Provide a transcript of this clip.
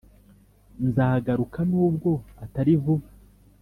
nzagaruka nubwo atari vuba.